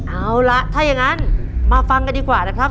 เอาล่ะถ้าอย่างนั้นมาฟังกันดีกว่านะครับ